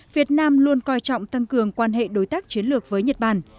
việt nam luôn coi trọng tăng cường quan hệ đối tác chiến lược với nhật bản